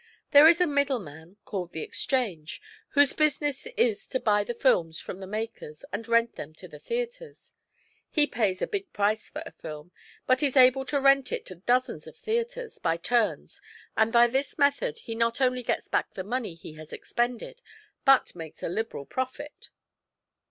There is a 'middleman,' called the 'Exchange,' whose business is to buy the films from the makers and rent them to the theatres. He pays a big price for a film, but is able to rent it to dozens of theatres, by turns, and by this method he not only gets back the money he has expended but makes a liberal profit."